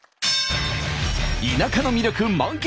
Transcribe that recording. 田舎の魅力満喫。